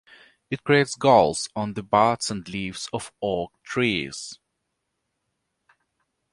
It creates galls on the buds and leaves of oak trees.